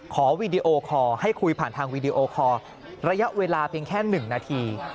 วีดีโอคอร์ให้คุยผ่านทางวีดีโอคอร์ระยะเวลาเพียงแค่๑นาที